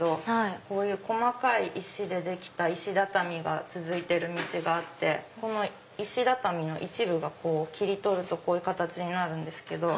こういう細かい石でできた石畳が続いてる道があって石畳の一部が切り取るとこういう形になるんですけど。